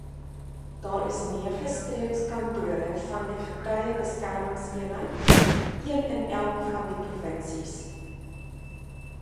Daar is nege streekskantore van die Getuiebeskermingseenheid, een in elk van die provinsies.